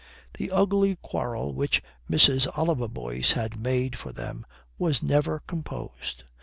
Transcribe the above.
The ugly quarrel which Mrs. Oliver Boyce had made for them was never composed.